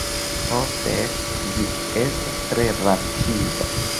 Ho fek, ĝi estas tre rapida.